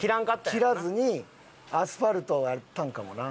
切らずにアスファルトをやったんかもな。